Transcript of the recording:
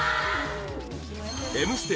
「Ｍステ」